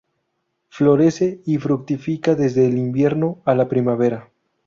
Florece y fructifica desde el invierno a la primavera.